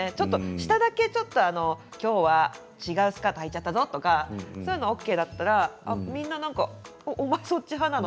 下だけちょっときょうは違うスカートをはいちゃったぞとかそういうのがＯＫだったらお前、そっち派なの？